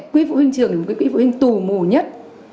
quỹ phụ huynh trường là một quỹ phụ huynh tù mù nhất